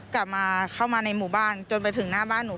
กลับมาเข้ามาในหมู่บ้านจนไปถึงหน้าบ้านหนู